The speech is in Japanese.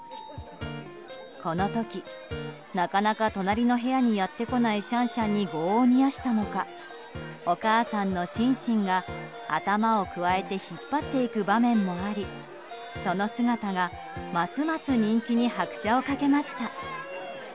この時、なかなか隣の部屋にやってこないシャンシャンに業を煮やしたのかお母さんのシンシンが頭をくわえて引っ張っていく場面もありその姿が、ますます人気に拍車をかけました。